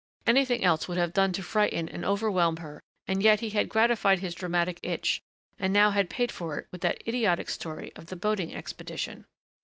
Anything else would have done to frighten and overwhelm her and yet he had gratified his dramatic itch and now had paid for it with that idiotic story of the boating expedition.